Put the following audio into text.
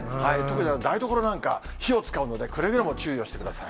特に台所なんか、火を使うので、くれぐれも注意をしてください。